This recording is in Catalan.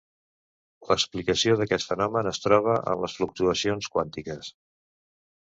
L'explicació d'aquest fenomen es troba en les fluctuacions quàntiques.